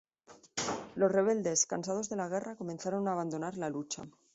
Los rebeldes, cansados de la guerra, comenzaron a abandonar la lucha.